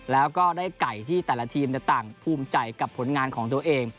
แล้วก็ได้ไก่ที่แต่ละทีมต่างภูมิใจกับผลงานของตัวเอง